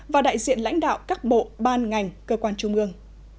và đại diện lãnh đạo các bộ ban ngành cơ quan trung ương